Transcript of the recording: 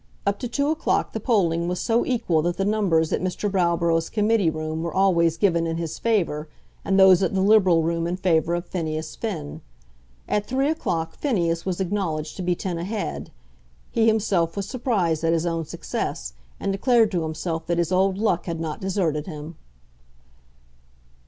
Up to two o'clock the polling was so equal that the numbers at Mr. Browborough's committee room were always given in his favour, and those at the Liberal room in favour of Phineas Finn. At three o'clock Phineas was acknowledged to be ten ahead. He himself was surprised at his own success, and declared to himself that his old luck had not deserted him.